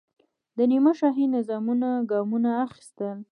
د نیمه شاهي نظامونو ګامونه اخیستل.